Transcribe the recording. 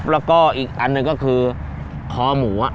แล้วก็อีกอันหนึ่งก็คือคอหมู